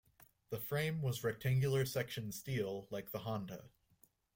The frame was rectangular section steel like the Honda.